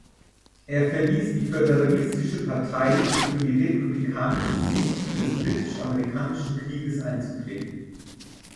Er verließ die Föderalistische Partei, um für die republikanische Sicht des Britisch-Amerikanischen Krieges einzutreten.